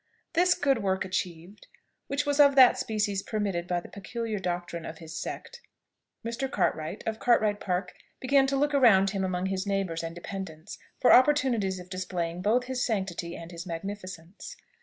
This good work achieved, which was of that species permitted by the peculiar doctrine of his sect, Mr. Cartwright, of Cartwright Park, began to look around him among his neighbours and dependants for opportunities of displaying both his sanctity and his magnificence.